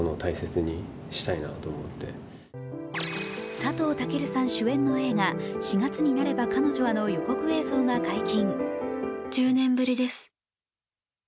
佐藤健さん主演の映画「四月になれば彼女は」の予告映像が解禁。